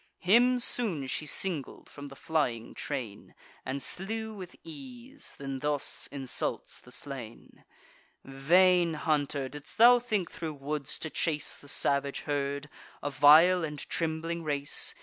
Him soon she singled from the flying train, And slew with ease; then thus insults the slain: "Vain hunter, didst thou think thro' woods to chase The savage herd, a vile and trembling race?